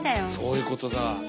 そういうことだ。